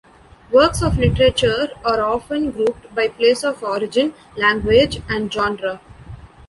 Works of literature are often grouped by place of origin, language, and genre.